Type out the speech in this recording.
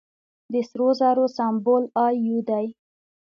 د سرو زرو سمبول ای یو دی.